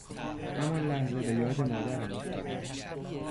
همان لحظه به یاد مادرم افتادم